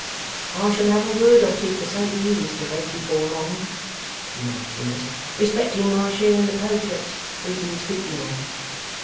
'I shall have a word or two to say to you, Mr Wegg, before long,' remarked Venus, 'respecting my share in the project we've been speaking of.